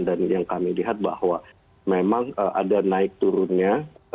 dan yang kami lihat bahwa memang ada naik turunnya